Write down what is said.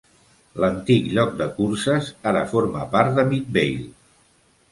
L'antic lloc de curses ara forma part de Midvale.